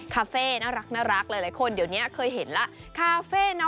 คาเฟ่น่ารักหลายคนเดี๋ยวได้เห็นแล้ว